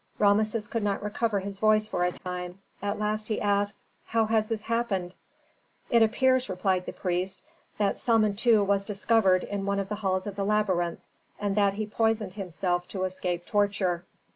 Rameses could not recover his voice for a time. At last he asked, "How has this happened?" "It appears," replied the priest, "that Samentu was discovered in one of the halls of the labyrinth, and that he poisoned himself to escape torture.